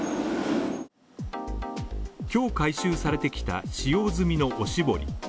今日回収されてきた使用済みのおしぼり